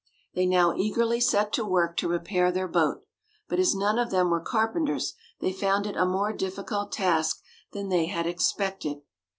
They now eagerly set to work to repair their boat, but as none of them were carpenters they found it a more difficult task than they had expected.